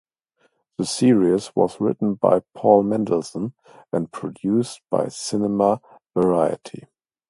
The series was written by Paul Mendelson and produced by Cinema Verity.